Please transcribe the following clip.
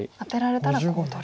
アテられたらコウを取る。